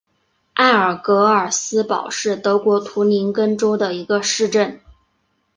埃尔格尔斯堡是德国图林根州的一个市镇。